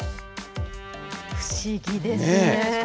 不思議ですね。